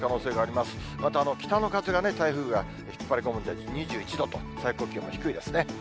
また北の風が、台風が引っ張り込むんで、２１度と、最高気温は低いですね。